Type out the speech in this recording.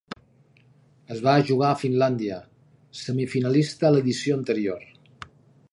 Es va jugar a Finlàndia, semifinalista a l'edició anterior.